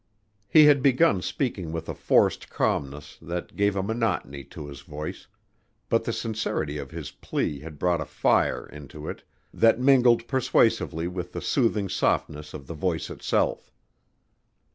He had begun speaking with a forced calmness that gave a monotony to his voice, but the sincerity of his plea had brought a fire into it that mingled persuasively with the soothing softness of the voice itself.